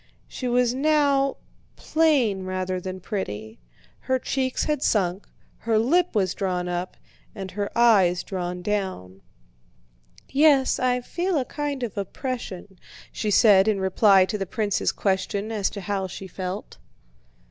She was now plain rather than pretty. Her cheeks had sunk, her lip was drawn up, and her eyes drawn down. "Yes, I feel a kind of oppression," she said in reply to the prince's question as to how she felt.